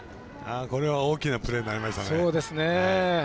これは大きなプレーになりましたね。